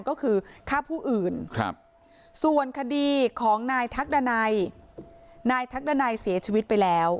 ก็คือค่าผู้อื่นครับส่วนคดีของนายทักดาไนนายทักดาไนเสียชีวิตไปแล้ว